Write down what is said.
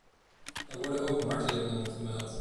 Er worden ook martelingen gemeld.